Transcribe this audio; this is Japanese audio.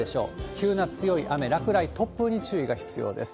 急な強い雨、落雷、突風に注意が必要です。